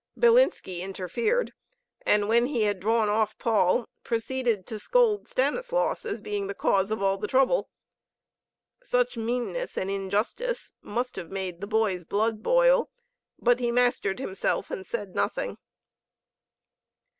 Bilinski interfered, and when he had drawn off Paul, proceeded to scold Stanislaus as being the cause of all the trouble. Such meanness and injustice must have made the boy's blood boil. But he mastered himself and said nothing.